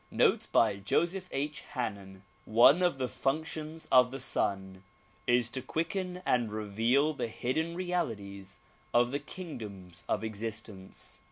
Notes by Joseph H. Hannen ONE of the functions of the sun is to quicken and reveal the hidden realities of the kingdoms of existence.